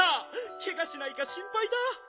ケガしないかしんぱいだ」。